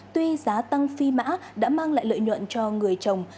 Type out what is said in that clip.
tuy giá tăng phi mã đã mang lại lợi nhuận cho người trồng